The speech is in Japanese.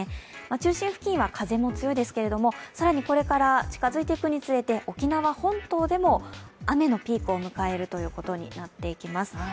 中心付近は風も強いですけれども更にこれから近づいていくにつれて沖縄本島でも、雨のピークを迎えるということになっていきます。